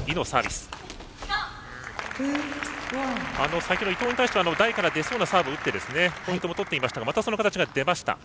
先ほど伊藤に対しては台から出そうなサービスを打ってポイントも取っていましたがまた、その形が出ました。